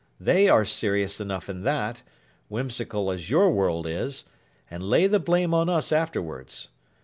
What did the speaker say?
They are serious enough in that—whimsical as your world is—and lay the blame on us afterwards.